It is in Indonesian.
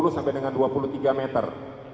dua puluh sampai dengan dua puluh tiga meter